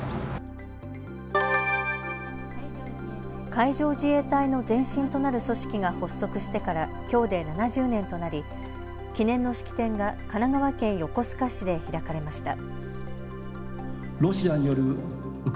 海上自衛隊の前身となる組織が発足してから、きょうで７０年となり、記念の式典が神奈川県横須賀市で開かれました。